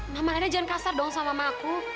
mama lainnya jangan kasar dong sama mamaku